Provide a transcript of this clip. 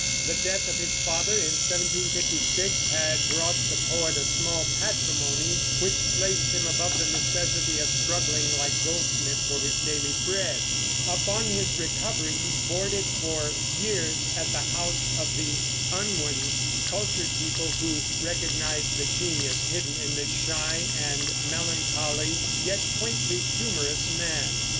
The death of his father, in 1756, had brought the poet a small patrimony, which placed him above the necessity of struggling, like Goldsmith, for his daily bread. Upon his recovery he boarded for years at the house of the Unwins, cultured people who recognized the genius hidden in this shy and melancholy yet quaintly humorous man.